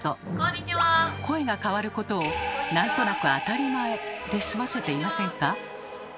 声が変わることを何となく当たり前で済ませていませんか？